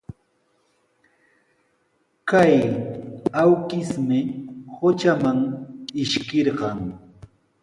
Kay awkishmi qutraman ishkirqan.